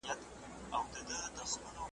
خو اوس نه وینمه هیڅ سامان په سترګو .